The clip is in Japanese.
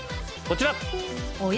こちら。